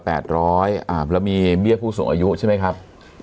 แล้วมีเบี้ยผู้สูงอายุใช่ไหมครับ